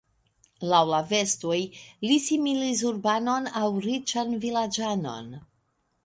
Laŭ la vestoj, li similis urbanon aŭ riĉan vilaĝanon.